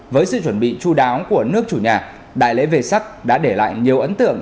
với sự chuẩn bị chú đáo của nước chủ nhà đại lễ về sắc đã để lại nhiều ấn tượng